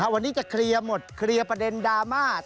วันนี้จะเคลียร์หมดเคลียร์ประเด็นดราม่า